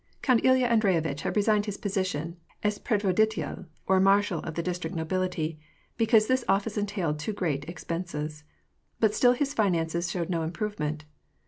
Count Ilta Andrbyitch had resigned his position as predvodityelf or marshal of the district nobility, because this office entailed too great expenses. But still his finances showed no improvement.